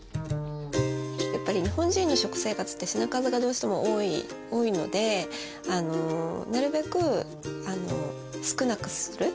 やっぱり日本人の食生活って品数がどうしても多いのでなるべく少なくする。